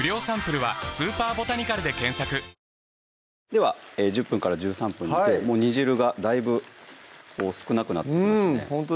では１０分１３分煮てもう煮汁がだいぶこう少なくなってきましたねうん